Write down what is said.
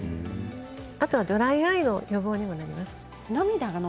あとドライアイの予防にもなります。